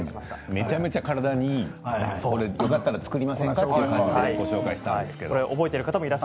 めちゃめちゃ体にいいのでよかったら作りませんかというのでご紹介しました。